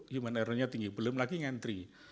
human errornya tinggi belum lagi ngantri